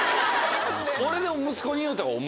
俺でも息子に言うたよ。